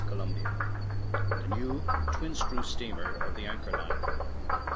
Columbia, the new twin screw steamer of the Anchor Line.